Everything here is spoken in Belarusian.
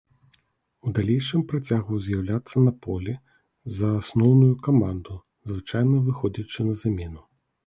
У далейшым працягваў з'яўляцца на полі за асноўную каманду, звычайна выходзячы на замену.